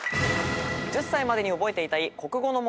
１０才までに覚えていたい国語の問題です。